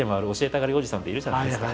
たがりおじさんっているじゃないですか。